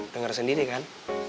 dengar sendiri kan